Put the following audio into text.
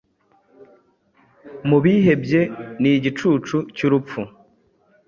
Mubihebye nigicucu cyurupfu.